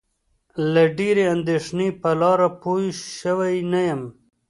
له ډېرې اندېښنې په لاره پوی شوی نه یم.